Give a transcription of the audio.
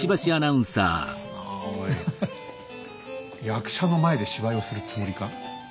役者の前で芝居をするつもりか？